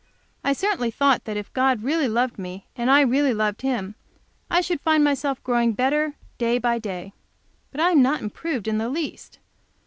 I certainly thought that if God really loved me, and I really loved Him, I should find myself growing better day by day. But I am not improved in the least.